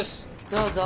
どうぞ。